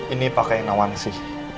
ini pakai nawansi